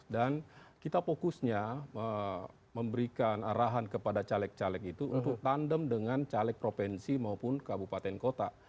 kita fokusnya memberikan arahan kepada caleg caleg itu untuk tandem dengan caleg provinsi maupun kabupaten kota